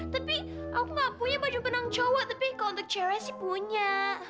tapi aku nggak punya baju berenang cowok tapi kak untuk cerai sih punya